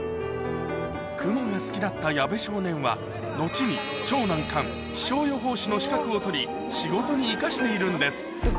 雲が好きだった矢部少年は、後に超難関、気象予報士の資格を取り、仕事に生かしているんです。